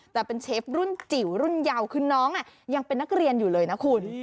แต่เป็นเชฟรุ่นจิ๋วรุ่นเยาคือน้องยังเป็นนักเรียนอยู่เลยนะคุณ